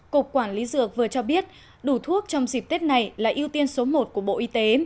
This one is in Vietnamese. cục quản lý dược vừa cho biết đủ thuốc trong dịp tết này là ưu tiên số một của bộ y tế